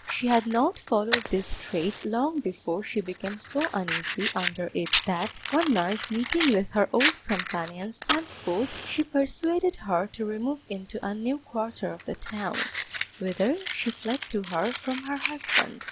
She had not followed this trade long before she became so uneasy under it that one night meeting with her old companion Standford, she persuaded her to remove into a new quarter of the town, whither she fled to her from her husband.